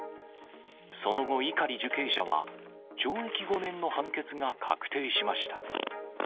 その後、碇受刑者は、懲役５年の判決が確定しました。